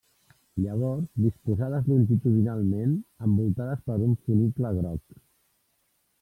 Llavors disposades longitudinalment, envoltades per un funicle groc.